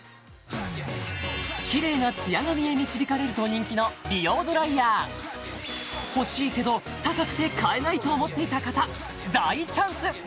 キレイなツヤ髪へ導かれると人気の美容ドライヤー欲しいけど高くて買えないと思っていた方大チャンス！